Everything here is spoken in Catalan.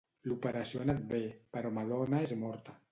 L'operació ha anat bé, però madona és morta.